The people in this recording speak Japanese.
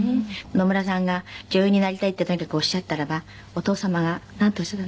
野村さんが女優になりたいってとにかくおっしゃったらばお父様がなんておっしゃった。